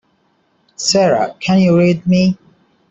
Sara can you read me?